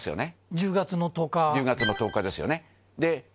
１０月の１０日ですよね。